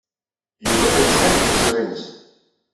Yuba la yettnadi tisura-nnes.